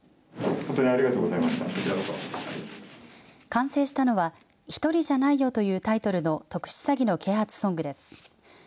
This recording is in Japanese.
完成したのはひとりじゃないよというタイトルの特殊詐欺の啓発ソングです。